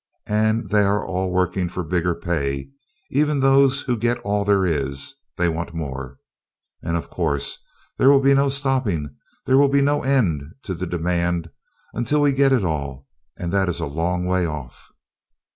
And they are all working for bigger pay; even those who get all there is, they want more. And of course, there will be no stopping, there will be no end to the demand, until we get it all, and that is a long way off.